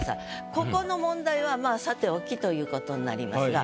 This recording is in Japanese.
ここの問題はまあさておきという事になりますが。